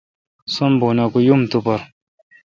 سم بونہ کہ یم تو پر۔